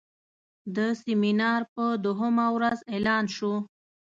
د سیمینار په دوهمه ورځ اعلان شو.